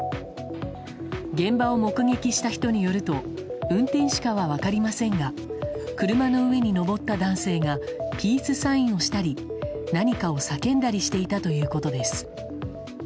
現場を目撃した人によると運転手かは分かりませんが車の上に上った男性がピースサインをしたり何かを叫んだりしていたということです。